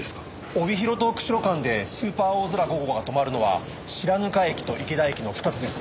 帯広と釧路間でスーパーおおぞら５号が止まるのは白糠駅と池田駅の２つです。